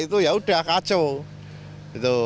itu yaudah kacau